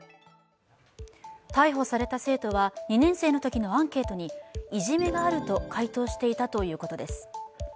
逮捕された生徒は２年生のときのアンケートにいじめがあると回答していたということです。